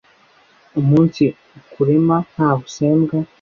Umunsi ikurema nta busembwa